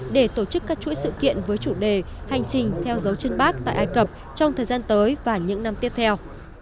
để tổ chức các chuỗi sự kiện với chủ đề hành trình theo dấu chân bác tại ai cập trong thời gian tới và những năm tiếp theo